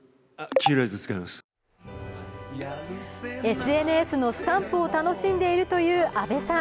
ＳＮＳのスタンプを楽しんでいるという阿部さん。